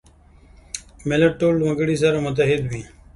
ملت ټول وګړي سره متحد وي.